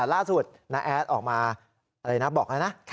ล่าสุดน้าแอดออกมาอะไรนะบอกแล้วนะ